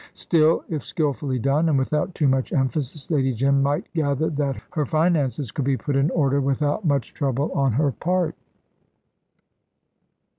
Still, if skilfully done, and without too much emphasis, Lady Jim might gather that her finances could be put in order without much trouble on her part.